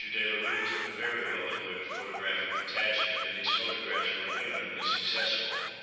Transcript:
De La Rue took a very well equipped photographic detachment, and his photographs were eminently successful.